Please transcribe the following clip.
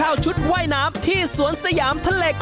อ้าวแล้วทำไมคุณไม่เลือก